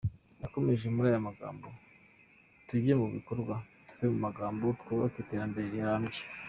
Yakomeje muri aya magambo : “Tujye mu bikorwa, tuve mu magambo, twubake iterambere rirambye.